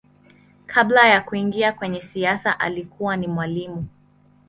Kabla ya kuingia kwenye siasa alikuwa ni mwalimu.